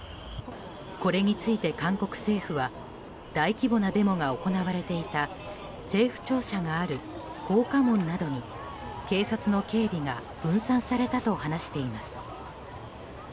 これについて、韓国政府は大規模なデモが行われていた政府庁舎がある光化門などに警察の警備が分散されたと話しています。